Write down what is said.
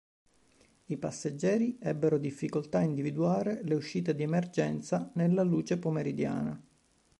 I passeggeri ebbero difficoltà a individuare le uscite di emergenza nella luce pomeridiana.